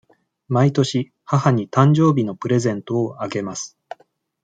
毎年母に誕生日のプレゼントをあげます。